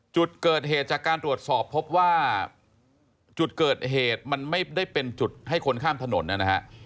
จุดเกิดเหตุจากการตรวจสอบพบว่าจุดเกิดเหตุมันไม่ได้เป็นจุดให้คนข้ามถนนนะฮะ